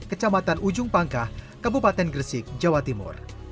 kecamatan ujung pangkah kabupaten gresik jawa timur